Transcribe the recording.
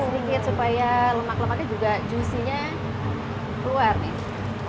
sedikit supaya lemak lemaknya juga juicenya keluar nih